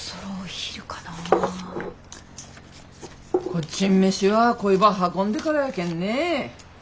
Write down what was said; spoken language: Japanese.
こっちん飯はこいば運んでからやけんね。